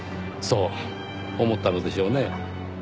そう思ったのでしょうねぇ。